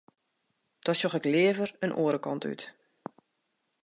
Dan sjoch ik leaver in oare kant út.